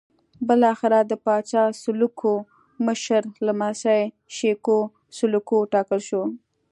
بالاخره د پاچا سلوکو مشر لمسی شېکو سلوکو وټاکل شو.